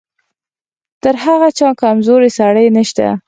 تر هغه چا کمزوری سړی نشته.